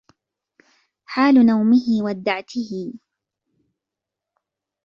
حَالُ نَوْمِهِ وَدَعَتِهِ